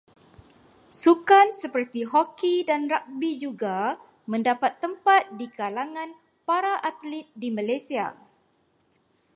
Sukan seperti hoki dan ragbi juga mendapat tempat di kalangan para atlit di Malaysia.